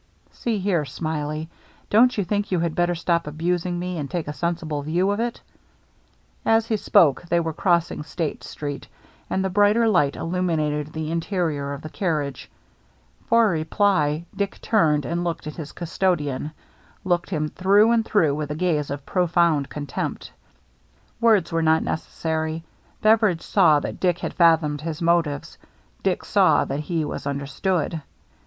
See here. Smiley, don't you think you had better stop abusing me, and take a sensible view of it ?" As he spoke, they were crossing State Street, 4o6 THE MERRT ANNE and the brighter light illuminated the interior of the carriage. For reply, Dick turned and looked at his custodian, looked him through and through with a gaze of profound contempt. Words were not necessary ; Beveridge saw that Dick had fathomed his motives, Dick saw that he was understood.